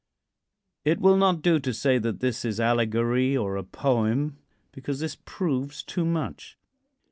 It will not do to say that this is allegory, or a poem, because this proves too much.